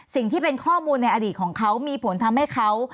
สิ่งที่เป็นข้อมูลในอดีตของเขามีผลทำให้เขา